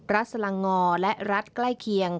สลังงอและรัฐใกล้เคียง